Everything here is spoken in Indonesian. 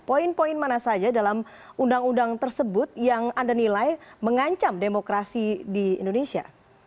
poin poin mana saja dalam undang undang tersebut yang anda nilai mengancam demokrasi di indonesia